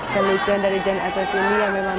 kelicuan dari janetes ini yang memang